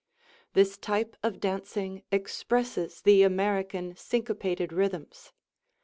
This type of dancing expresses the American syncopated rhythms.